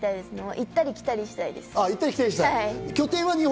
行ったり来たりしたいです。